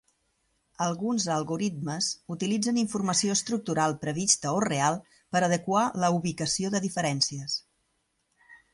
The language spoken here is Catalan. Alguns algoritmes utilitzen informació estructural prevista o real per adequar la ubicació de diferències.